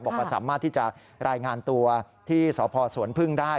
บอกว่าสามารถที่จะรายงานตัวที่สพสวนพึ่งได้